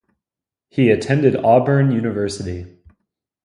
He attended Auburn University.